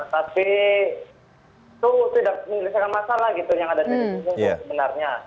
tapi itu tidak menyelesaikan masalah gitu yang ada di sini mungkin sebenarnya